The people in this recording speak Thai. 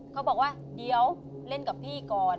เขาบอกว่าเดี๋ยวเล่นกับพี่ก่อน